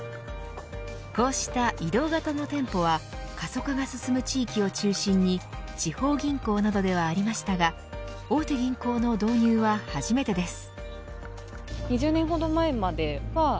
こうした移動型の店舗は過疎化が進む地域を中心に地方銀行などではありましたが大手銀行の導入は初めてです。